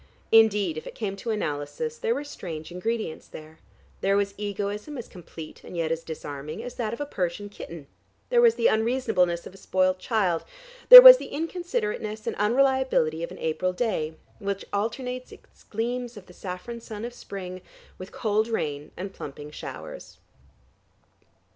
Indeed, if it came to analysis there were strange ingredients there; there was egoism as complete, and yet as disarming, as that of a Persian kitten; there was the unreasonableness of a spoilt child; there was the inconsiderateness and unreliability of an April day, which alternates its gleams of the saffron sun of spring with cold rain and plumping showers.